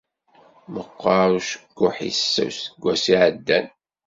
Meqqer ucekkuḥ-is aseggas iɛeddan.